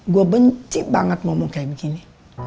gue benci banget ngomong kayak begini